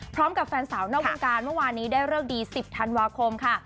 พร้อมกับแฟนสาวนอกวงการเมื่อวานนี้ได้เลิกดี๑๐ธันวาคมค่ะ